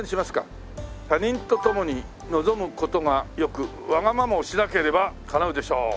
「他人とともに望む事が良くわがままをしなければ叶うでしょう」